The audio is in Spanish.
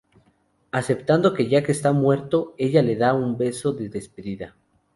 Aceptando que Jack está muerto, ella le da un beso de despedida.